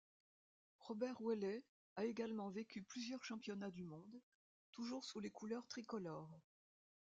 Robert Ouellet a également vécu plusieurs championnats du monde, toujours sous les couleurs tricolores.